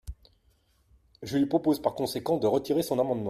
Je lui propose par conséquent de retirer son amendement.